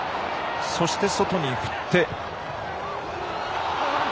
そして、外に振って。